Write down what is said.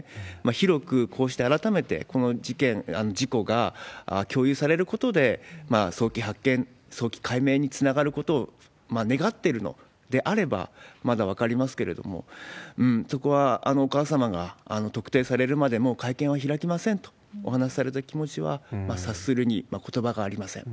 広くこうして改めてこの事件、事故が共有されることで、早期発見、早期解明につながることを願っているのであれば、まだ分かりますけれども、そこはお母様が特定されるまで、もう会見は開きませんとお話しされた気持ちは察するにことばがありません。